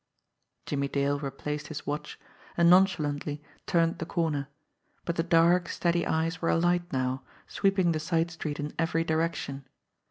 Jimmie Dale replaced his watch, and nonchalantly turned the corner ; but the dark, steady eyes were alight now, sweep ing the side street in every direction.